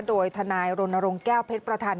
โดยธนายโรนโรงแก้วเพชรประธาน